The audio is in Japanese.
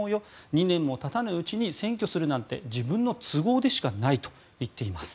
２年もたたぬうちに選挙するなんて自分の都合でしかないと言っています。